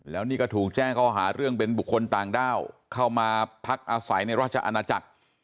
แล้วนี่ก็ถูกแจ้งข้อหาเรื่องเป็นบุคคลต่างด้าวเข้ามาพักอาศัยในราชอาณาจักร